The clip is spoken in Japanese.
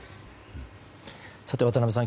渡辺さん